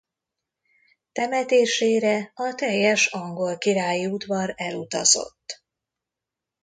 Temetésére a teljes angol királyi udvar elutazott.